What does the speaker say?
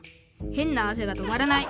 変な汗がとまらない」。